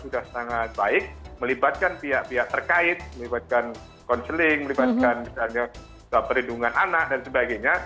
sudah sangat baik melibatkan pihak pihak terkait melibatkan konseling melibatkan misalnya perlindungan anak dan sebagainya